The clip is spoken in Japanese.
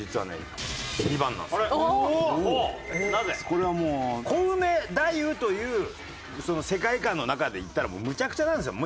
これはもうコウメ太夫というその世界観の中でいったらもうむちゃくちゃなんですよ。